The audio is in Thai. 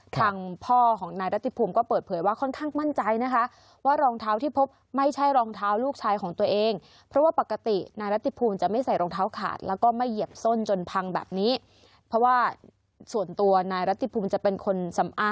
ทางพ่อของนายรัติภูมิก็เปิดเผยว่าค่อนข้างมั่นใจนะคะ